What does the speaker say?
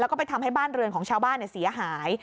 แล้วก็ไปทำให้บ้านเรือนของชาวบ้านเสียหาย